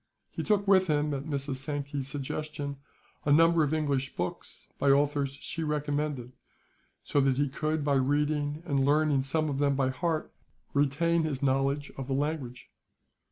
He took with him, at Mrs. Sankey's suggestion, a number of English books, by authors she recommended; so that he could, by reading and learning some of them by heart, retain his knowledge of the language.